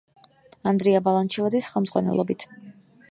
ანდრია ბალანჩივაძის ხელმძღვანელობით.